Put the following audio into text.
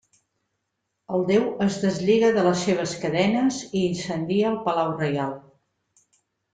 El déu es deslliga de les seves cadenes i incendia el palau reial.